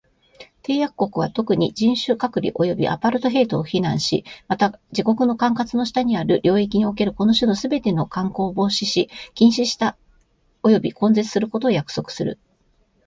締約国は、特に、人種隔離及びアパルトヘイトを非難し、また、自国の管轄の下にある領域におけるこの種のすべての慣行を防止し、禁止し及び根絶することを約束する。